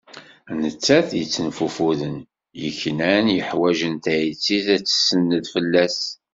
Nettat yettenfufuden, yeknan, yuḥwaǧen tayet-is ad tsened fell-as.